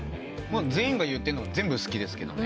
全員が言ってるの全部好きです。